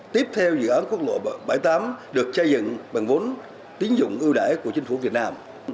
tiếp theo dự án quốc lộ bảy mươi tám được xây dựng bằng vốn tiến dụng ưu đại của chính phủ việt nam